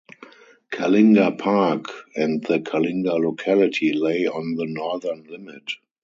Kalinga Park and the Kalinga locality lay on the northern limit.